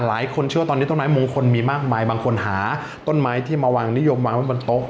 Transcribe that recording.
หลายคนเชื่อตอนนี้ต้นไม้มงคลมีมากมายบางคนหาต้นไม้ที่มาวางนิยมวางไว้บนโต๊ะ